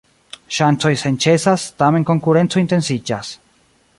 Ŝancoj senĉesas, tamen konkurenco intensiĝas.